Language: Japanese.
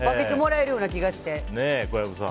小籔さん。